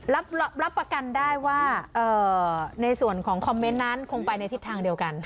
รับประกันได้ว่าในส่วนของคอมเมนต์นั้นคงไปในทิศทางเดียวกัน